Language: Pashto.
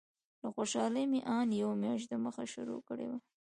له خوشالۍ مې ان یوه میاشت دمخه شروع کړې وه.